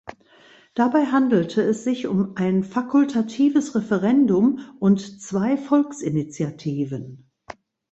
Dabei handelte es sich um ein fakultatives Referendum und zwei Volksinitiativen.